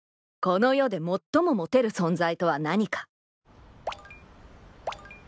［この世で最もモテる存在とは何か？］